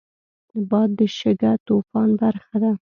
باد د شګهطوفان برخه ده